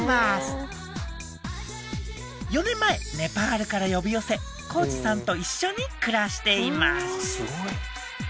４年前ネパールから呼び寄せ幸二さんと一緒に暮らしています。